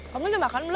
kamu udah makan belum